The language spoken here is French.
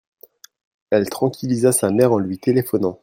elle tranquilisa sa mère en lui téléphonant.